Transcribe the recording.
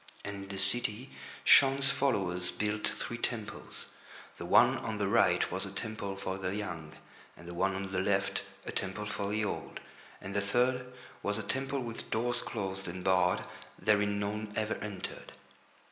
And in the city Shaun's followers built three temples. The one on the right was a temple for the young, and the one on the left a temple for the old, and the third was a temple with doors closed and barred—therein none ever entered.